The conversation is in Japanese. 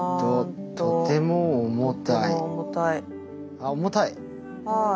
あ重たい。